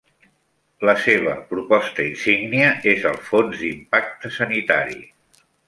La seva proposta insígnia és el Fons d'Impacte Sanitari.